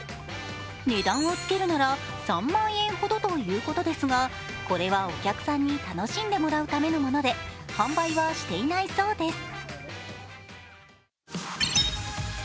値段をつけるなら３万円ほどということですがこれはお客さんに楽しんでもらうためのもので販売はしていないそうです。